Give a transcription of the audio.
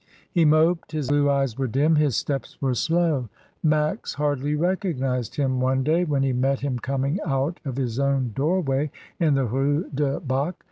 He moped, his blue eyes were dim, his steps were slow. Max hardly recognised him one day when he met him coming out of his own doorway in the Rue du Bac.